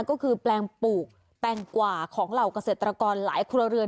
ก็คือแปลงปลูกแตงกว่าของเหล่าเกษตรกรหลายครัวเรือน